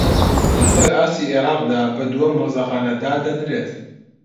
لەسەر ئاستی عێراقدا بە دووەم مۆزەخانە دادەنرێت